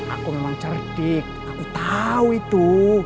aku memang cerdik aku tahu itu